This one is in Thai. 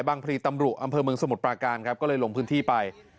พลีตำรุอำเภอเมืองสมุทรปราการครับก็เลยลงพื้นที่ไป